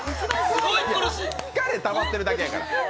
疲れがたまってるだけやから。